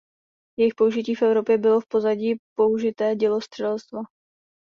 Jejich použití v Evropě bylo v pozadí použité dělostřelectva.